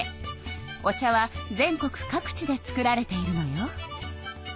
お茶は全国各地で作られているのよ。